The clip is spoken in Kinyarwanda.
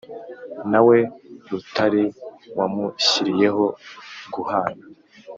nawe rutare, wamushyiriyeho guhana